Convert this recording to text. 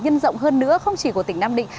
nhân rộng hơn nữa không chỉ của tỉnh nam định